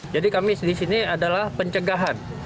jadi kami disini adalah pencegahan